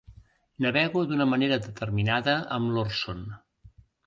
Navego d'una manera determinada amb l'Orson.